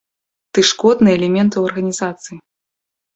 Ты шкодны элемент у арганізацыі.